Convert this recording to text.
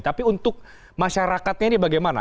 tapi untuk masyarakatnya ini bagaimana